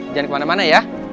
jangan kemana mana ya